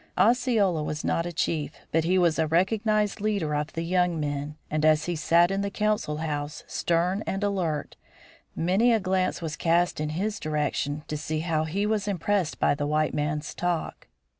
Osceola was not a chief, but he was a recognized leader of the young men, and as he sat in the council house, stern and alert, many a glance was cast in his direction to see how he was impressed by the white man's talk.